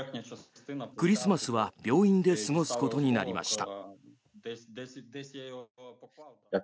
クリスマスは病院で過ごすことになりました。